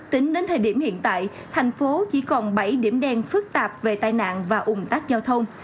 tính đến thời điểm hiện tại thành phố chỉ còn bảy điểm đen phức tạp về tai nạn và ủng tắc giao thông